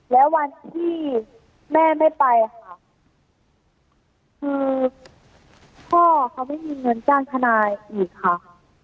แล้ววันที่แม่ไม่ไปค่ะคือพ่อเขาไม่มีเงินจ้างทนายอีกค่ะ